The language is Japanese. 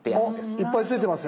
いっぱいついてますよ。